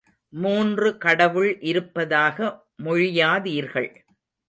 மூன்று கடவுள் இருப்பதாக மொழியாதீர்கள்.